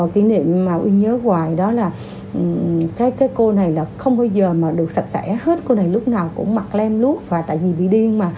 kỷ niệm mà uy nhớ hoài đó là các cái cô này là không bao giờ mà được sạch sẽ hết cô này lúc nào cũng mặc lem lút và tại vì bị điên mà